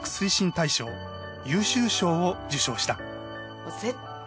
大賞優秀賞を受賞した。